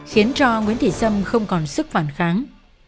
khiến cho nguyễn thị sâm không còn sức phản kháng